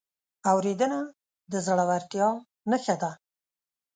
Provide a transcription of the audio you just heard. اورېدنه د زړورتیا نښه ده.